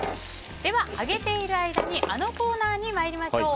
では揚げている間にあのコーナーに参りましょう。